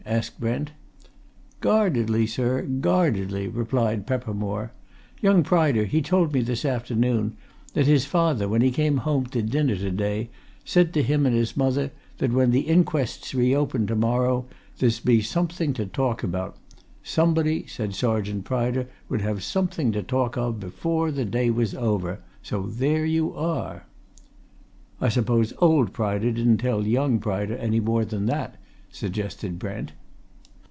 asked Brent. "Guardedly, sir, guardedly!" replied Peppermore. "Young Pryder, he told me this afternoon that his father, when he came home to dinner to day, said to him and his mother that when the inquest's reopened to morrow there's be something to talk about somebody, said Sergeant Pryder, would have something to talk of before the day was over. So there you are!" "I suppose old Pryder didn't tell young Pryder any more than that?" suggested Brent.